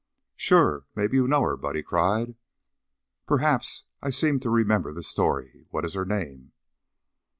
"Sure! Mebbe you know her!" Buddy cried. "Perhaps. I seem to remember the story. What is her name?"